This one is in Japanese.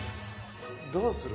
どうする？